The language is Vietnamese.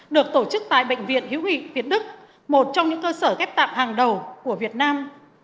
được tổ chức tại bệnh viện hiếu nghị việt đức một trong những cơ sở ghép tạng hàng đầu của việt nam